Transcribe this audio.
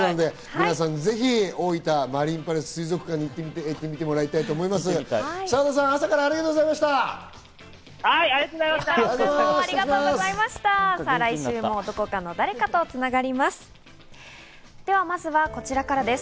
皆様、ぜひ大分マリーンパレス水族館に行っていただきたいと思います。